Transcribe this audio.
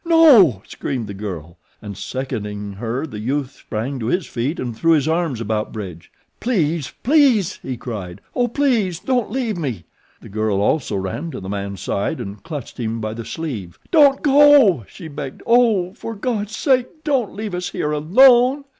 "No!" screamed the girl, and seconding her the youth sprang to his feet and threw his arms about Bridge. "Please! Please!" he cried. "Oh, please don't leave me." The girl also ran to the man's side and clutched him by the sleeve. "Don't go!" she begged. "Oh, for God's sake, don't leave us here alone!"